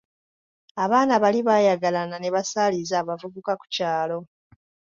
Abaana bali baayagalana ne basaaliza abavubuka ku kyalo.